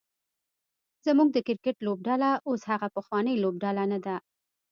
زمونږ د کرکټ لوبډله اوس هغه پخوانۍ لوبډله نده